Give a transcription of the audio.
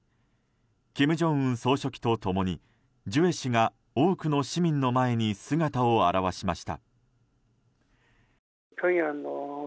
金正恩総書記と共にジュエ氏が多くの市民の前に姿を現しました。